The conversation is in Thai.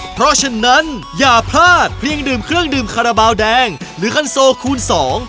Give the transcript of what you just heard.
เพราะฉะนั้นอย่าพลาดเพียงดื่มเครื่องดื่มคาราบาลแดงหรือคันโซคูณสอง